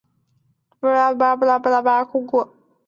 张茜是前香港亚洲电视艺员颜子菲的表姑姑。